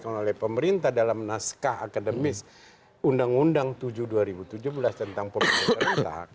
tentu saja disampaikan oleh pemerintah dalam naskah akademis undang undang tujuh dua ribu tujuh belas tentang pemimpin perintah